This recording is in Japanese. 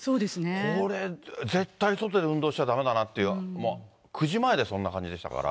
これ、絶対外で運動しちゃだめだなって、９時前でそんな感じでしたから。